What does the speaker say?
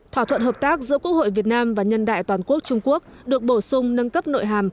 thỏa thuận hợp tác giữa quốc hội việt nam và nhân đại toàn quốc trung quốc được bổ sung nâng cấp nội hàm